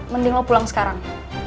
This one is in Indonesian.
mending lo pulang sekarang